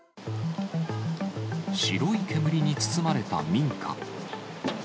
白い煙に包まれた民家。